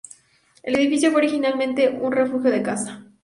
El edificio fue originalmente un refugio de caza.